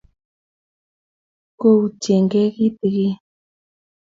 Koutyekei kitigin